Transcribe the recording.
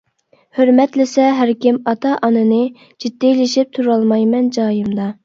ھۆرمەتلىسە ھەركىم ئاتا-ئانىنى، جىددىيلىشىپ تۇرالمايمەن جايىمدا.